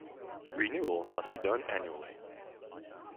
Renewal must be done annually.